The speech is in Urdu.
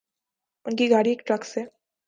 ان کی گاڑی ایک ٹرک سے